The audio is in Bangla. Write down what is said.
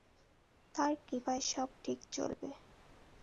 তাঁর কৃপায় সব ঠিক চলবে।